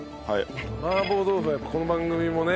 麻婆豆腐はこの番組もね。